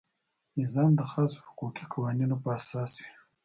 نظام د خاصو حقوقي قوانینو په اساس وي.